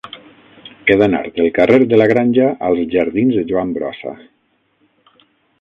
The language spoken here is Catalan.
He d'anar del carrer de la Granja als jardins de Joan Brossa.